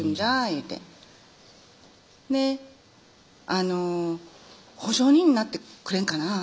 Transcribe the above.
言うてであの「保証人になってくれんかなぁ」